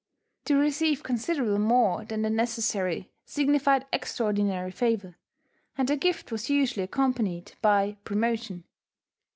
To receive considerably more than the necessary signified extraordinary favour; and the gift was usually accompanied by promotion.